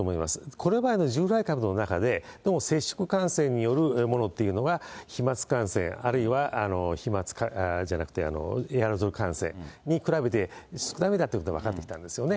これまでの従来株の中で、どうも接触感染によるものっていうのは飛まつ感染、あるいはエアロゾル感染に比べて少なめだということが分かってきたんですよね。